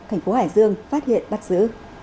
thành phố hải dương phát hiện bắt giữ